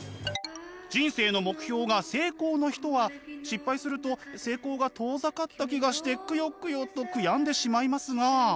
人生の目標が成功の人は失敗すると成功が遠ざかった気がしてクヨクヨと悔やんでしまいますが。